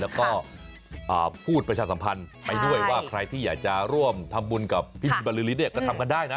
แล้วก็พูดประชาสัมพันธ์ไปด้วยว่าใครที่อยากจะร่วมทำบุญกับพี่บินบริษฐ์เนี่ยก็ทำกันได้นะ